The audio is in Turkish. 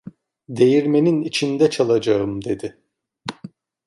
"Değirmenin içinde çalacağım!" dedi.